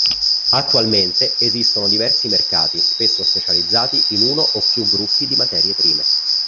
Attualmente esistono diversi mercati spesso specializzati in uno o più gruppi di materie prime.